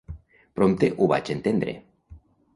Prompte ho vaig entendre.